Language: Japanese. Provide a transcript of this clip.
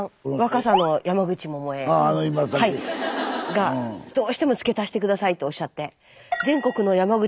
がどうしても付け足して下さいとおっしゃって。